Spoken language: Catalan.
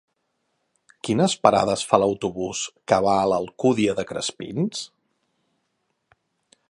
Quines parades fa l'autobús que va a l'Alcúdia de Crespins?